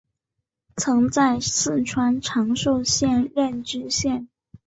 曾在四川长寿县任知县。